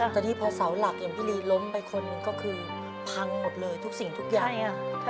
ตอนนี้พอเสาหลักอย่างพี่ลีล้มไปคนหนึ่งก็คือพังหมดเลยทุกสิ่งทุกอย่าง